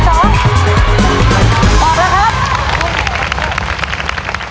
ตอบแล้วครับ